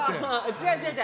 違う、違う。